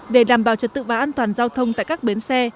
để đảm bảo trật tự và an toàn giao thông tại các bến xe